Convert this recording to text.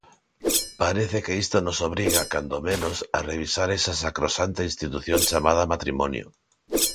Parece que isto nos obriga, cando menos, a revisar esa sacrosanta institución chamada matrimonio.